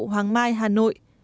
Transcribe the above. hoàng mai hà nội